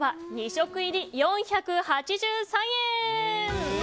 食入り４８３円。